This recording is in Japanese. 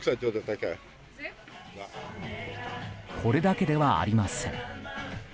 これだけではありません。